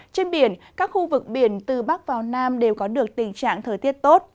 trên biển các khu vực biển từ bắc vào nam đều có được tình trạng thời tiết tốt